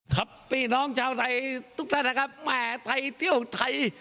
ครับพี่น้องชาวไทยทุกท่านนะครับแหมไทยเที่ยวไทย